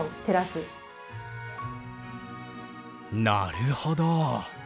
なるほど。